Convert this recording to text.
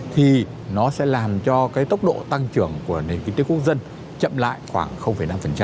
thì nó sẽ làm cho cái tốc độ tăng trưởng của nền kinh tế quốc dân chậm lại khoảng năm